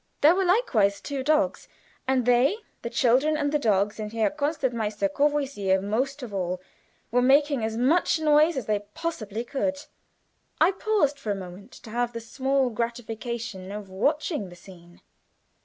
There were likewise two dogs, and they the children, the dogs, and Herr Concertmeister Courvoisier most of all were making as much noise as they possibly could. I paused for a moment to have the small gratification of watching the scene.